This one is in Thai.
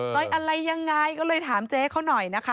อะไรยังไงก็เลยถามเจ๊เขาหน่อยนะคะ